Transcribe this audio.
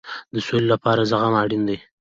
د سولې لپاره زغم اړین دی